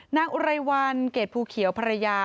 นางอุรัยวัลเกร็จภูเขียวภรรยา